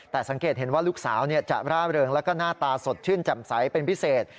แต่สังเกตเห็นว่าลูกสาวจะร่าเริงแล้วก็หน้าตาสดชื่นแจ่มใสเป็นพิเศษ